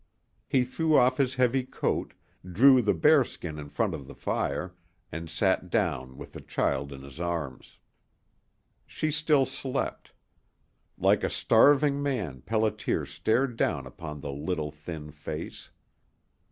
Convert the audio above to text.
He threw off his heavy coat, drew the bearskin in front of the fire, and sat down with the child in his arms. She still slept. Like a starving man Pelliter stared down upon the little thin face.